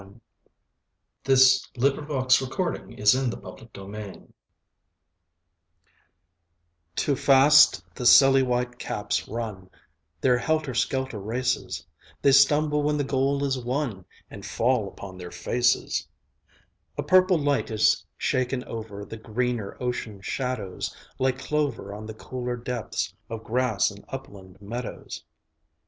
Joseph Andrew Galahad Digiti zed by Google SEA QUATRAINS I Too fast the silly white ^aps run Their helter skelter races; They stumble when the goal is won And fall upon their faces. II A purple light is shaken over The greener ocean shadows, Like clover on the cooler depths Of grass in upland meadows.